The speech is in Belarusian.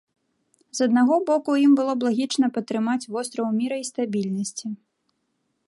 З аднаго боку, ім было б лагічна падтрымаць востраў міра і стабільнасці.